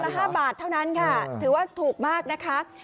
ละ๕บาทเท่านั้นค่ะถือว่าถูกมากนะคะ